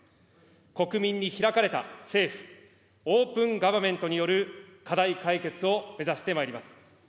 国民にひらかれた政府、オープンガバメントによる課題解決を目指してまいります。